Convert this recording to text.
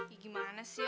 ya gimana sih